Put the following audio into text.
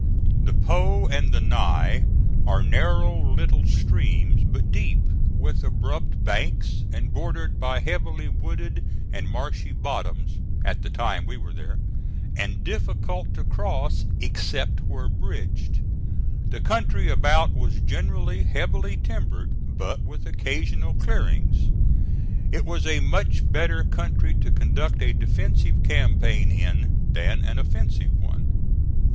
The Po and the Ny are narrow little streams, but deep, with abrupt banks, and bordered by heavily wooded and marshy bottoms at the time we were there and difficult to cross except where bridged. The country about was generally heavily timbered, but with occasional clearings. It was a much better country to conduct a defensive campaign in than an offensive one.